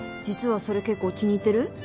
実はそれ結構気に入ってる？